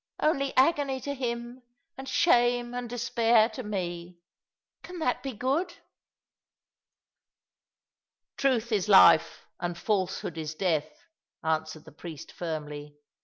Only Bgony to him and shame and despair to me. Can that be good?" "Truth is life, and falsehood is death," answered the priest, firmly.